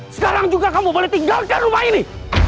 sekarang juga kamu boleh tinggalkan rumah ini